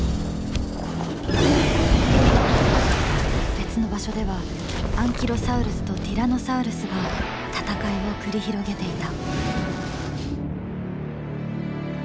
別の場所ではアンキロサウルスとティラノサウルスが戦いを繰り広げていた。